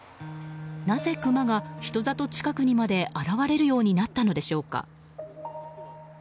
なぜクマが人里近くにまで現れるようになったのでしょうか。